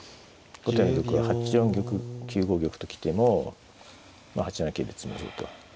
後手の玉は８四玉９五玉と来ても８七桂で詰むぞと。